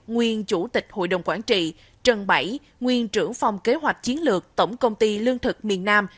nguyên chủ tịch hội đồng quản trị trần bảy nguyên trưởng phòng kế hoạch chiến lược tổng công ty lương thực miền nam